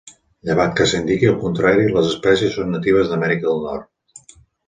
Llevat que s'indiqui el contrari, les espècies són natives d'Amèrica del Nord.